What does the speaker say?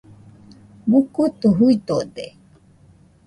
Mukutu juidode.